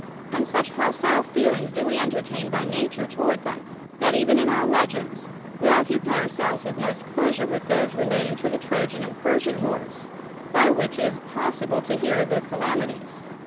And such hos tile feelings do we entertain by nature toward theiii. that even in our legends, Ave occupy our selves with most ])leasure with those relating to the Tr(\ian and Persian v,'ars, by which it is pos sible to licar of tht>ir calamities.